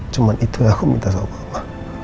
cuma itu yang aku minta sama bapak